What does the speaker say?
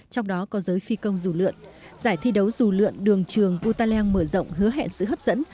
trong đó có giới phi công dù lượn giải thi đấu dù lượn đường trường putaleng mở rộng hứa hẹn sự hấp dẫn